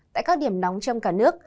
tại các điểm nóng trong cả nước